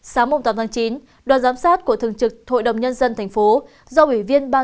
sáng tám chín đoàn giám sát của thường trực thội đồng nhân dân thành phố do ủy viên ban